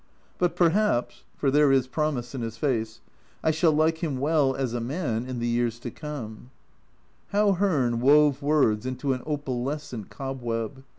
But perhaps for there is promise in his face I shall like him well as a man in the years 250 A Journal from Japan to come. How Hearn wove words into an opalescent cobweb